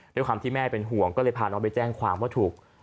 ด้วยความที่แม่เป็นห่วงก็เลยพาน้องไปแจ้งความว่าถูก